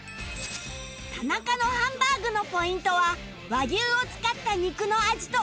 田仲のハンバーグのポイントは和牛を使った肉の味と食感